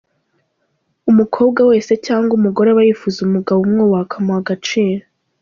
Umukobwa wese cyangwa umugore aba yifuza umugabo umwubaha akamuha agaciro.